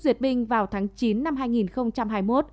diệt binh vào tháng chín năm hai nghìn hai mươi